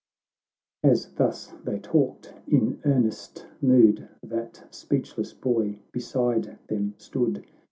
— As thus they talked in earnest mood, That speechless boy beside them stood.